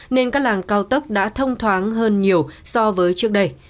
nên các làng cao tốc đã thông thoáng hơn nhiều so với trước đây